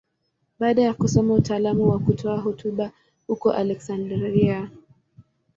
Baada ya kusoma utaalamu wa kutoa hotuba huko Aleksandria.